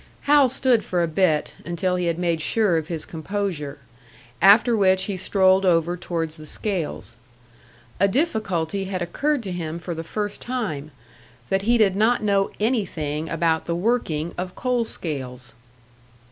Hal stood for a bit, until he had made sure of his composure. After which he strolled over towards the scales. A difficulty had occurred to him for the first time that he did not know anything about the working of coal scales.